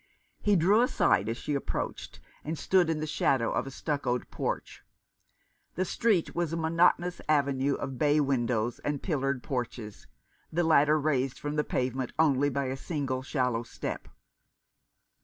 He drew aside as she approached, and stood in the shadow of a stuccoed porch. The street was a monotonous avenue of bay windows and pillared porches, the latter raised from the pavement only by a single shallow step.